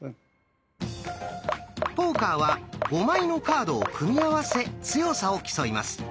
「ポーカー」は５枚のカードを組み合わせ強さを競います。